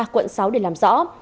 quận sáu để làm rõ